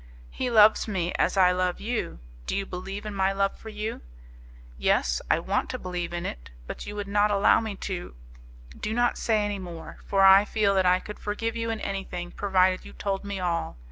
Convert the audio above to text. "He loves me as I love you; do you believe in my love for you?" "Yes, I want to believe in it; but you would not allow me to...." "Do not say any more; for I feel that I could forgive you in anything, provided you told me all.